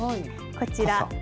こちら。